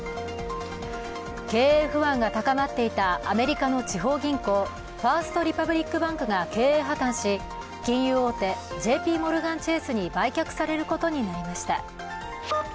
経営不安が高まっていたアメリカの地方銀行、ファースト・リパブリック・バンクが経営破綻し、金融大手ＪＰモルガン・チェースに売却されることになりました。